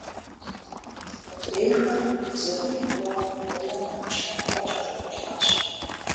Мыдрейхэр зы гуп хъууэ унэм нэгъуэщӏ лъэныкъуэкӏэ къекӏуэлӏащ.